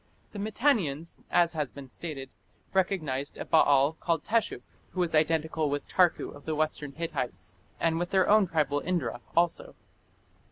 The Mitannians, as has been stated, recognized a Baal called Teshup, who was identical with Tarku of the Western Hittites and with their own tribal Indra also.